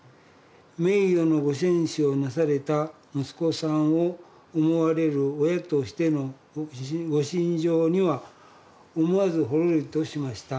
名誉の御戦死をなされた息子さんをおもはれる親としての御心情には思はずほろりとしました」。